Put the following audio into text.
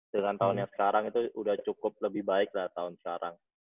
dengan tahun yang sekarang itu udah cukup lebih baik lah tahun sekarang